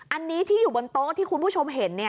อันนี้ที่อยู่บนโต๊ะที่คุณผู้ชมเห็น